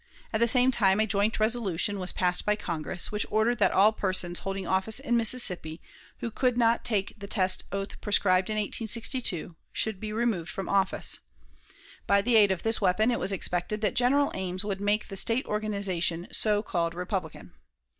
At the same time a joint resolution was passed by Congress, which ordered that all persons holding office in Mississippi, who could not take the test oath prescribed in 1862, should be removed from office. By the aid of this weapon it was expected that General Ames would make the State organization so called Republican.